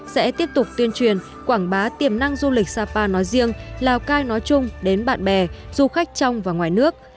sẽ tiếp tục tuyên truyền quảng bá tiềm năng du lịch sapa nói riêng lào cai nói chung đến bạn bè du khách trong và ngoài nước